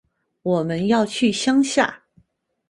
我们要去乡下